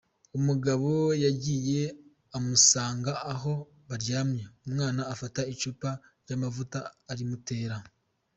Umugabo yagiye amusanga aho baryamye umwana afata icupa ry’amavuta arimutera.